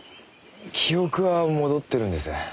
記憶は戻ってるんです。